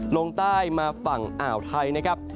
ลงใต้มาฝั่งอ่าวไทยนะครับ